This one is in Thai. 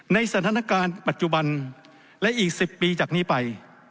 ในสถานการณ์ปัจจุบันและอีก๑๐ปีจากนี้ไป